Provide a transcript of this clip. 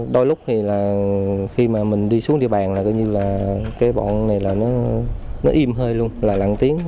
đôi lúc thì là khi mà mình đi xuống địa bàn là coi như là cái bọn này là nó im hơi luôn là lặng tiếng